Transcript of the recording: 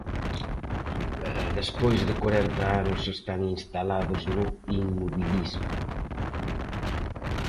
Despois de corenta anos, están instalados no inmobilismo.